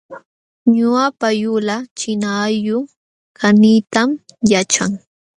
Ñuqapa yulaq china allquu kaniytam yaćhan